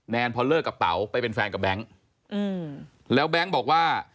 พอเลิกกับเต๋าไปเป็นแฟนกับแบงค์อืมแล้วแบงค์บอกว่า